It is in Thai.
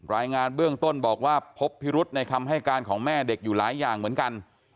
รายงานเบื้องต้นบอกว่าพบพิรุษในคำให้การของแม่เด็กอยู่หลายอย่างเหมือนกัน